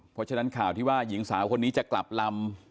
เพราะฉะนั้นข่าวที่ว่าหญิงสาวคนนี้จะกลับลำ